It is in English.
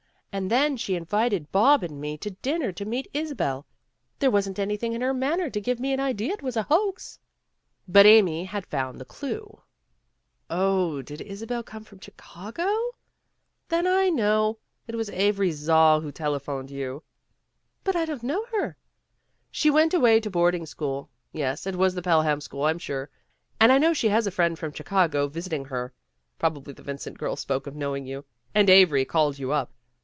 And then she invited Bob and me to dinner to meet Isabel. There wasn't anything in her manner to give me an idea it was a hoax." 16 PEGGY RAYMOND'S WAY But Amy had found the clew. "0, did Isa bel come from Chicago?" she cried. "Then I know. It was Avery Zall who telephoned you. '' "But I don't know her/' "She went away to boarding school yes, it was the Pelham school, I'm sure. And I know she has a friend from Chicago visiting her. Probably the Vincent girl spoke of knowing you, and Avery called you up.